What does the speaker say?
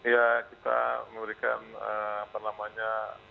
ya kita memberikan apa namanya